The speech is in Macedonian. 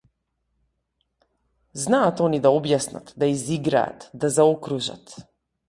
Знаат они да објаснат, да изиграат, да заокружат.